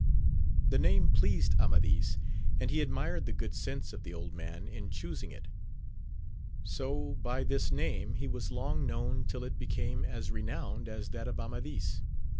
The name pleased Amadis, and he admired the good sense of the old man in chusing it ; so by this name he was long known till it became as renowned as that of Amadis.